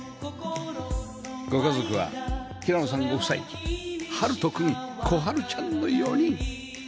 ご家族は平野さんご夫妻温人君心温ちゃんの４人